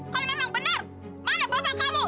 kalau memang benar mana bapak kamu